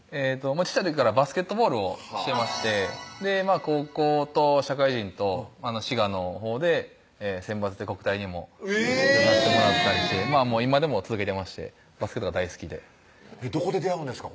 小っちゃい時からバスケットボールをしてまして高校と社会人と滋賀のほうで選抜で国体にも出させてもらったりして今でも続けてましてバスケットが大好きでどこで出会うんですか？